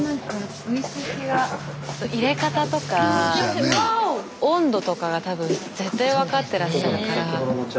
スタジオ温度とかが多分絶対分かってらっしゃるから。